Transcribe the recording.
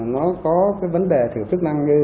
nó có cái vấn đề thử chức năng như